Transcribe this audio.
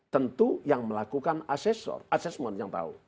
tentu yang melakukan asesor asesmen yang tahu